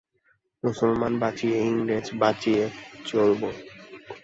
মুসলমান বাঁচিয়ে, ইংরেজ বাঁচিয়ে চলব।